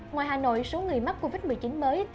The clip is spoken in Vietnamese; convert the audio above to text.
ngoài hà nội số người mắc covid một mươi chín mới